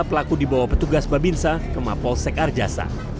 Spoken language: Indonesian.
pelaku dibawa petugas babinsa ke mapolsek arjasa